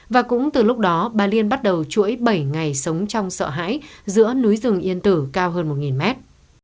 và cũng từ lúc đó bà liên bắt đầu chuỗi bảy ngày sống trong sợ hãi giữa núi rừng yên tử cao hơn một mét